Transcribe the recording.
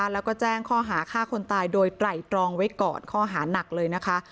แล้วก็แจ้งข้อหาฆ่าคนตายโดยไตรตรองไว้ก่อนข้อหานักเลยนะคะ